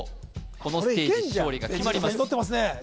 このステージ勝利が決まります祈ってますね